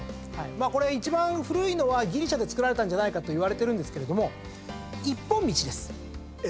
これ一番古いのはギリシャで造られたんじゃないかといわれてるんですけれども一本道です。